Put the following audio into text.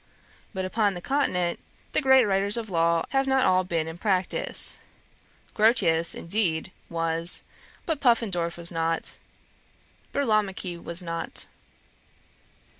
But upon the Continent, the great writers on law have not all been in practice: Grotius, indeed, was; but Puffendorf was not, Burlamaqui was not.'